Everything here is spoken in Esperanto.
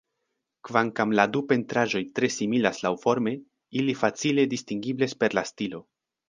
Kvankam la du pentraĵoj tre similas laŭforme, ili facile distingeblas per la stilo.